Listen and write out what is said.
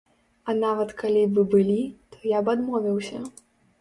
А нават калі б і былі, то я б адмовіўся.